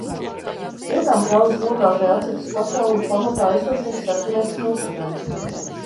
Vietām kraujas nogāzē atsedzas pacēluma pamatā esošais sarkanais smilšakmens.